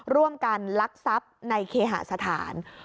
ร่วมกันลักษัพธ์ในเคหสถาน